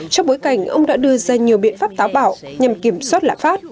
trong bối cảnh ông đã đưa ra nhiều biện pháp táo bạo nhằm kiểm soát lạm phát